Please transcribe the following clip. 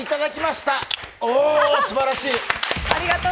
すばらしい！